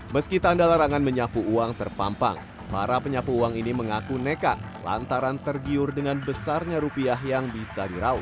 meski tanda larangan menyapu uang terpampang para penyapu uang ini mengaku nekat lantaran tergiur dengan besarnya rupiah yang bisa dirauh